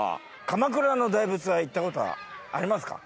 鎌倉の大仏は行った事はありますか？